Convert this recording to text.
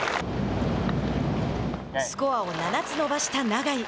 スコアを７つ伸ばした永井。